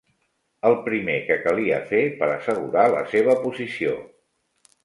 El primer que calia fer per assegurar la seva posició